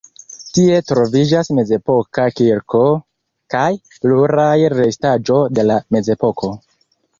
Tie troviĝas mezepoka kirko kaj pluraj restaĵo de la mezepoko.